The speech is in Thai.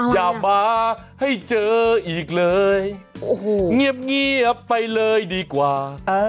อย่ามาให้เจออีกเลยเงียบไปเลยดีกว่า